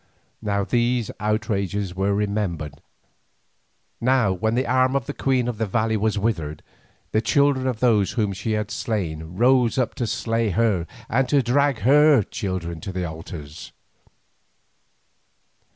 Now these outrages were remembered, now when the arm of the queen of the valley was withered, the children of those whom she had slain rose up to slay her and to drag her children to their altars.